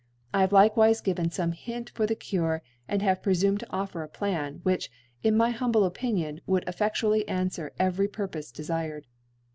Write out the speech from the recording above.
I have likewift gi^en fbme Hints for the Cufc, afid have prefumed to ofier a Plan, which, in thy humble Opinion, would fcffcdualljr anfwer every Pur pofe defired.